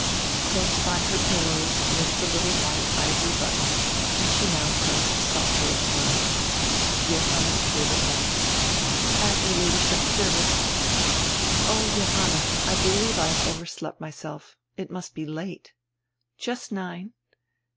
Close by her pillows was die little white ivory button, and she now pressed softly upon it. Johanna appeared at once. "At your Ladyship's service." "Oh, Johanna, I believe I have overslept myself. It must be late." "Just nine."